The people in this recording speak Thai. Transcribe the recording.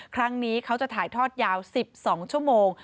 ครั้งนี้เขาจะถ่ายทอดยาว๑๒ชั่วโมง